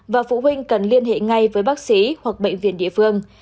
và phụ huynh cần liên hệ ngay với bác sĩ hoặc bệnh viện địa phương